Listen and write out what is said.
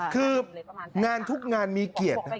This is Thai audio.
คืองานทุกงานมีเกียรตินะ